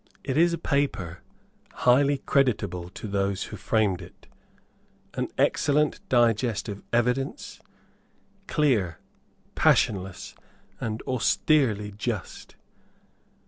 It is a paper highly creditable to those who framed it, an excellent digest of evidence, clear, passionless, and austerely just.